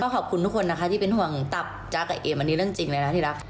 ขอบคุณทุกคนนะคะที่เป็นห่วงตับจ๊ะกับเอมอันนี้เรื่องจริงเลยนะที่รัก